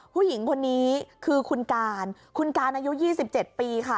ผู้หญิงคนนี้คือคุณการคุณการอายุ๒๗ปีค่ะ